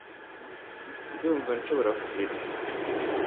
Ndumva nshobora kurira